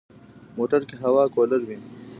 موټر کې هوا کولر وي.